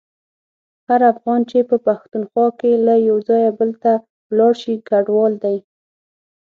هر افغان چي په پښتونخوا کي له یو ځایه بل ته ولاړشي کډوال دی.